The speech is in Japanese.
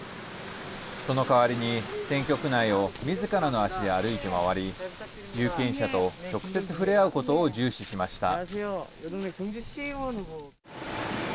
その代わりに選挙区内をみずからの足で歩いて回り有権者と直接、触れ合うことを重視しました。